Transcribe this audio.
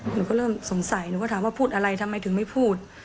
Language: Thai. หนูก็เริ่มสงสัยหนูก็ถามว่าพูดอะไรทำไมถึงไม่พูด